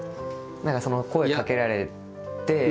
何かその声かけられて。